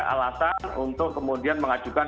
alasan untuk kemudian mengajukan